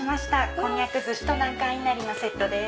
こんにゃく寿司と南関いなりのセットです。